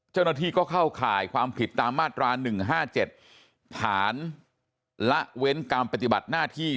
เจ้าหน้าที่ก็เข้าข่ายความผิดตามมาตรา๑๕๗ฐานละเว้นการปฏิบัติหน้าที่